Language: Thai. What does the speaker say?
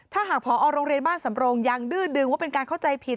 ถ้าหากพอโรงเรียนบ้านสำรงยังดื้อดึงว่าเป็นการเข้าใจผิด